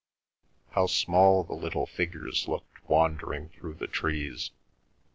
How small the little figures looked wandering through the trees!